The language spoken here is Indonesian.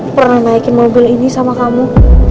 pernah naikin mobil ini sama kamu